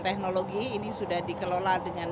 teknologi ini sudah dikelola dengan